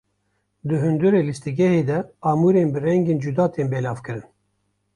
Di hundirê lîstikgehê de amûrên bi rengên cuda tên belavkirin.